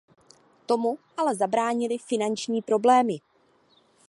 Tomu ale zabránily finanční problémy.